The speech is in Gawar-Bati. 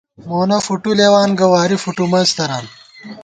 مونہ فُٹُولېوان گہ واری فُٹُومنز تران